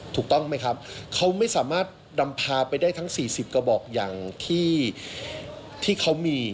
ถูกต้องไหมครับเขาไม่สามารถดำพาไปได้ทั้ง๔๐กระบอกอย่างที่เขามี